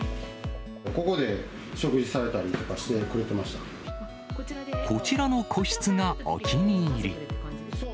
ここで食事されたりとかしてこちらの個室がお気に入り。